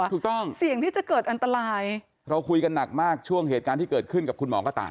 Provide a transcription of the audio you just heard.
ถูกต้องเสี่ยงที่จะเกิดอันตรายเราคุยกันหนักมากช่วงเหตุการณ์ที่เกิดขึ้นกับคุณหมอกระต่าย